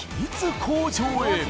工場へ！